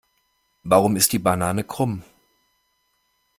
Warum ist die Banane krumm?